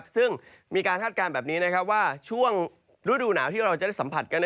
ซึ่งมีการคาดการณ์แบบนี้ว่าช่วงฤดูหนาวที่เราจะได้สัมผัสกัน